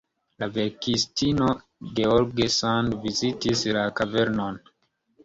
La verkistino George Sand vizitis la kavernon.